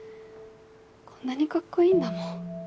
こんなにカッコいいんだもん。